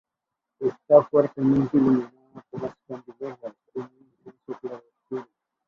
Está fuertemente iluminada por las candilejas, en un intenso claroscuro.